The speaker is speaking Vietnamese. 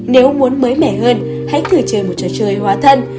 nếu muốn mới mẻ hơn hãy cười chơi một trò chơi hóa thân